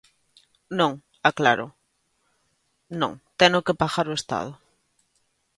Non, aclaro, non, teno que pagar o Estado.